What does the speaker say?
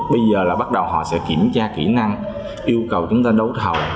bây giờ là bắt đầu họ sẽ kiểm tra kỹ năng yêu cầu chúng ta đấu thầu